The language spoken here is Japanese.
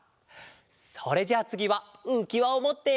それじゃあつぎはうきわをもって。